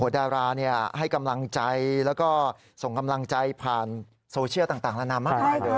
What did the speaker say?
ดาราให้กำลังใจแล้วก็ส่งกำลังใจผ่านโซเชียลต่างละนามมากมายเลย